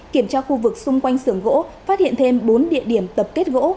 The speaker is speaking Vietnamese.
kiểm tra khu vực xung quanh xưởng gỗ phát hiện thêm bốn địa điểm tập kết gỗ